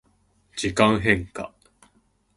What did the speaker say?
時間変化